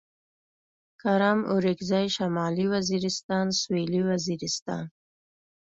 کرم اورکزي شمالي وزيرستان سوېلي وزيرستان